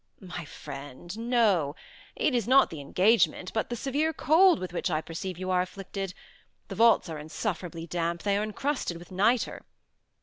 "My friend, no. It is not the engagement, but the severe cold with which I perceive you are afflicted. The vaults are insufferably damp. They are encrusted with nitre."